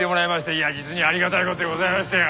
いや実にありがたいことでございましたよ。